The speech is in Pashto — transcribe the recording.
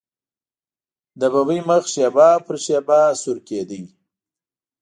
د ببۍ مخ شېبه په شېبه سورېده.